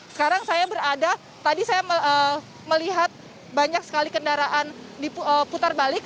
sekarang saya berada tadi saya melihat banyak sekali kendaraan diputar balik